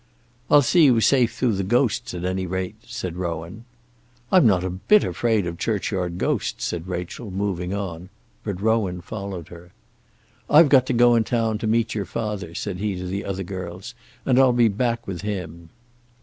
"I'll see you safe through the ghosts at any rate," said Rowan. "I'm not a bit afraid of churchyard ghosts," said Rachel, moving on. But Rowan followed her. "I've got to go into town to meet your father," said he to the other girls, "and I'll be back with him."